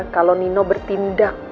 kalau nino bertindak